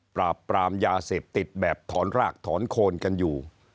ปราบปรามยาเสพติดแบบถอนรากถอนโคนกันอยู่